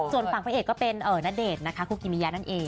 ส่วนฝั่งพระเอกก็เป็นณเดชน์นะคะคุกิมิยานั่นเอง